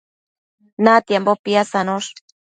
natiambo pisadosh